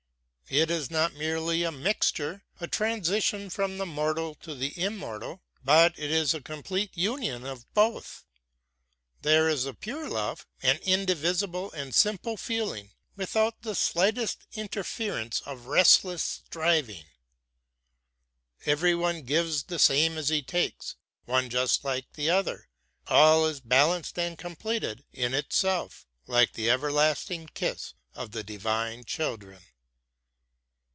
It is not merely a mixture, a transition from the mortal to the immortal, but it is a complete union of both. There is a pure love, an indivisible and simple feeling, without the slightest interference of restless striving. Every one gives the same as he takes, one just like the other, all is balanced and completed in itself, like the everlasting kiss of the divine children.